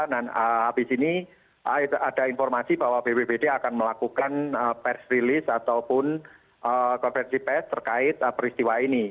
dan habis ini ada informasi bahwa bbbd akan melakukan press release ataupun konversi press terkait peristiwa ini